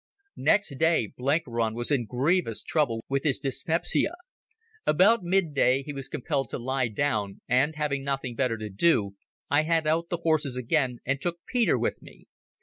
Next day Blenkiron was in grievous trouble with his dyspepsia. About midday he was compelled to lie down, and having nothing better to do I had out the horses again and took Peter with me.